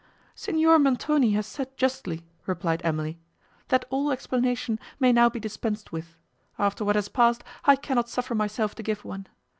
"Signor Montoni has said justly," replied Emily, "that all explanation may now be dispensed with; after what has passed I cannot suffer myself to give one.